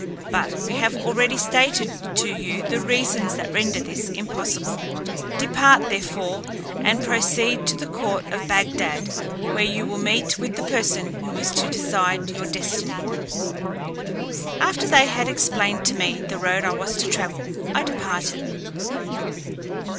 But we have already stated to you the reasons that render this impossible: depart, therefore, and proceed to the court of Bagdad, where you will meet with the person who is to decide your destiny." After they had explained to me the road I was to travel, I departed.